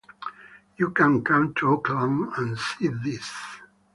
You can come to Oakland and see this.